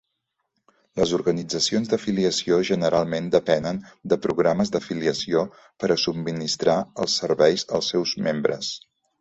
Les organitzacions d'afiliació generalment depenen de programes d'afiliació per a subministrar els serveis als seus membres.